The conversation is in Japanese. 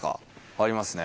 ありますね。